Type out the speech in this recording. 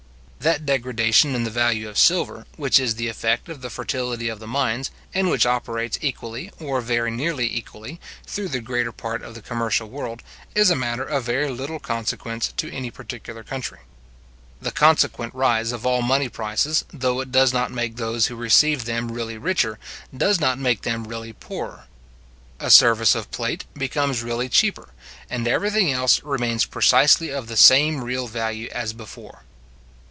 That degradation in the value of silver, which is the effect of the fertility of the mines, and which operates equally, or very nearly equally, through the greater part of the commercial world, is a matter of very little consequence to any particular country. The consequent rise of all money prices, though it does not make those who receive them really richer, does not make them really poorer. A service of plate becomes really cheaper, and every thing else remains precisely of the same real value as before.